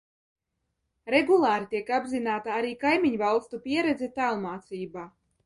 Regulāri tiek apzināta arī kaimiņvalstu pieredze tālmācībā.